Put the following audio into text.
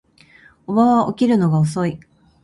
叔母は起きるのが遅い